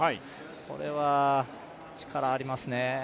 これは力ありますね。